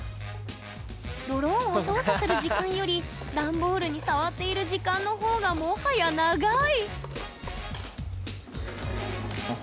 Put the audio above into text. ドローンを操作する時間よりダンボールに触っている時間の方がもはや長い！